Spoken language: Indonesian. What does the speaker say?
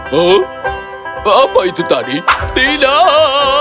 hmm apa itu tadi tidak